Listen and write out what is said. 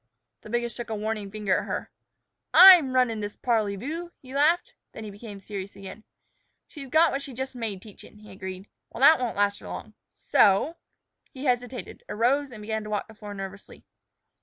The biggest shook a warning finger at her. "I'm runnin' this parley voo," he laughed. Then he became serious again. "She's got what she's jus' made teachin'," he agreed. "Well, that won't last her long. So " He hesitated, arose, and began to walk the floor nervously.